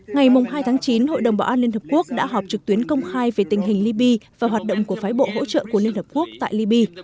ngày hai tháng chín hội đồng bảo an liên hợp quốc đã họp trực tuyến công khai về tình hình libya và hoạt động của phái bộ hỗ trợ của liên hợp quốc tại liby